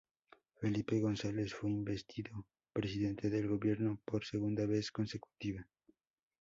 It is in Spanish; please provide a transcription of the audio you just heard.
Felipe González fue investido presidente del Gobierno por segunda vez consecutiva.